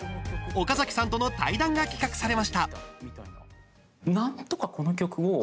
岡崎さんとの対談が企画されました。